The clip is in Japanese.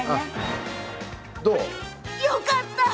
よかった。